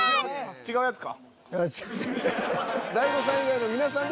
違うやつか。